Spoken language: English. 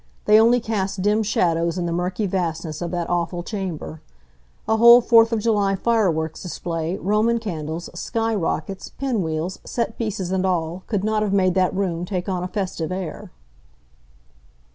They only cast dim shadows in the murky vastness of that awful chamber. A whole Fourth of July fireworks display, Roman candles, sky rockets, pin wheels, set pieces and all, could not have made that room take on a festive air.